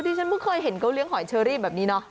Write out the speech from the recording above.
ฉันไม่เคยเห็นเขาเลี้ยหอยเชอรี่แบบนี้เนาะ